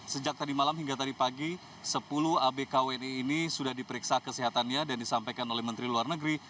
sejak tadi malam hingga tadi pagi sepuluh abk wni ini sudah diperiksa kesehatannya dan disampaikan oleh menteri luar negeri